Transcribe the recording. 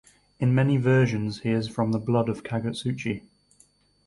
In many versions he is from the blood of Kagutsuchi.